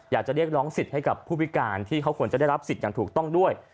อยากจะเรียกร้องสิทธิ์ให้กับผู้พิการที่เขาควรจะได้รับสิทธิ์อย่างถูกต้องด้วย